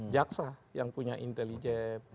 jaksa yang punya intelijen